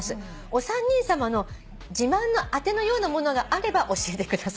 「お三人さまの自慢のあてのようなものがあれば教えてください」という。